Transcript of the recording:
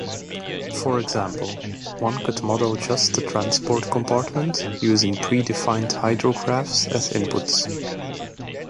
For example, one could model just the transport compartment, using pre-defined hydrographs as inputs.